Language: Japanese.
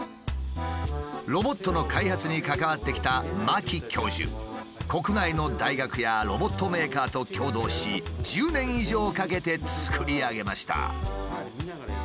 ロボットの開発に関わってきた国内の大学やロボットメーカーと共同し１０年以上かけて作り上げました。